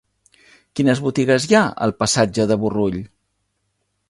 Quines botigues hi ha al passatge de Burrull?